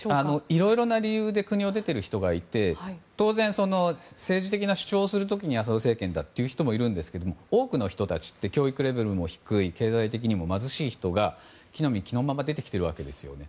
いろいろな理由で国を出ている人がいて当然、政治的な主張をする時にアサド政権だと言う人たちがいるんですが多くの人たちって教育レベルが低く経済的にも困窮している人が着の身着のまま出てきているわけです。